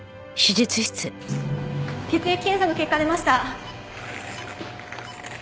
血液検査の結果出ました。